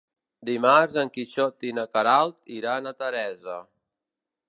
Dimarts en Quixot i na Queralt iran a Teresa.